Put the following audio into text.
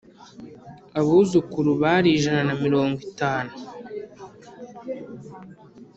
Abuzukuru bari ijana na mirongo itanu .